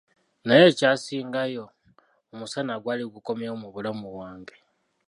Naye ekyasingayo, omusana gwali gukomyewo mu bulamu bwe.